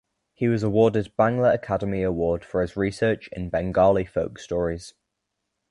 He was awarded Bangla Academy Award for his research in Bengali folk stories.